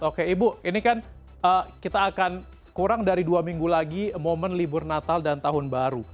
oke ibu ini kan kita akan kurang dari dua minggu lagi momen libur natal dan tahun baru